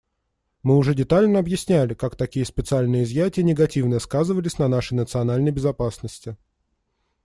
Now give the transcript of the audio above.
Мы уже детально объясняли, как такие специальные изъятия негативно сказались на нашей национальной безопасности.